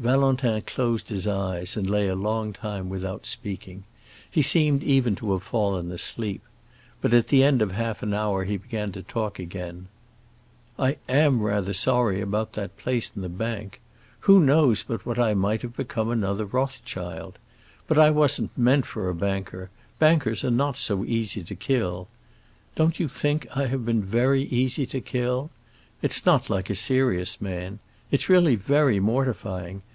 Valentin closed his eyes and lay a long time without speaking. He seemed even to have fallen asleep. But at the end of half an hour he began to talk again. "I am rather sorry about that place in the bank. Who knows but that I might have become another Rothschild? But I wasn't meant for a banker; bankers are not so easy to kill. Don't you think I have been very easy to kill? It's not like a serious man. It's really very mortifying.